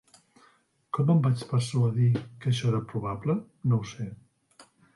Com em vaig persuadir que això era probable, no ho sé.